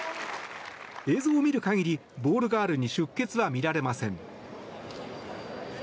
映像を見る限り、ボールガールに出血は見られません。